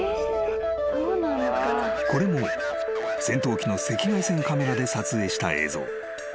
［これも戦闘機の赤外線カメラで撮影した映像］